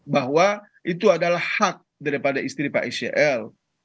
bahwa itu adalah hak daripada istri pak icl